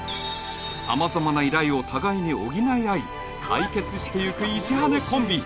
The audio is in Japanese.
様々な依頼を互いに補い合い解決していく石羽コンビ